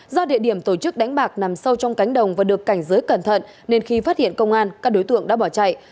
do địa điểm tổ chức đánh bạc nằm sâu trong cánh đồng và được cảnh giới cẩn thận nên khi phát hiện công an các đối tượng đã bỏ chạy